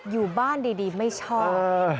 อยู่บ้านดีไม่ชอบ